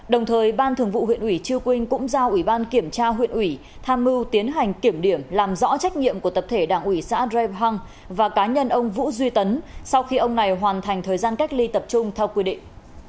đồng thời ban thường vụ huyện ủy chư quynh cũng giao ủy ban kiểm tra huyện ủy tham mưu tiến hành kiểm điểm làm rõ trách nhiệm của tập thể đảng ủy xã rebhaung và cá nhân ông vũ duy tấn sau khi ông này hoàn thành thời gian cách ly tập trung theo quy định